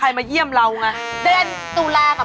ดีมากดีมาก